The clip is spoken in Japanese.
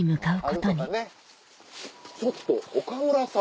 ちょっと岡村さん。